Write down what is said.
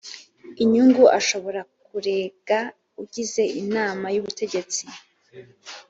inyungu ashobora kurega ugize inama y ubutegetsi